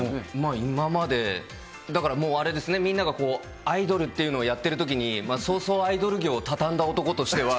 今まで、だからあれですね、みんながこうアイドルっていうのをやってるときに、早々アイドル業を畳んだ男としては。